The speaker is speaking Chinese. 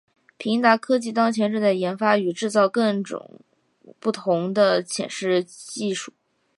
平达科技当前正在研发与制造更种不同的显示技术。